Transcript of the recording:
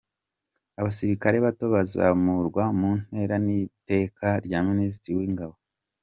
Abasirikare Bato bazamurwa mu ntera n’iteka rya Minisitiri w’Ingabo.